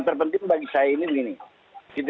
terpenting bagi saya ini